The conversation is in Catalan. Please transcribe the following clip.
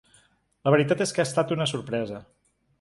La veritat és que ha estat una sorpresa.